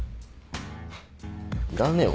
フッいらねえよ